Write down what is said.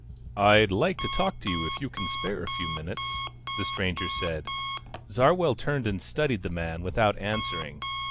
"I'd like to talk to you, if you can spare a few minutes," the stranger said. Zarwell turned and studied the man without answering.